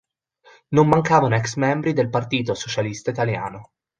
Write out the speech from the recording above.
Non mancavano ex-membri del Partito Socialista Italiano.